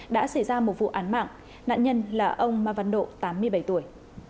đã xảy ra một vụ án mạng nạn nhân là ông ma văn độ tám mươi bảy tuổi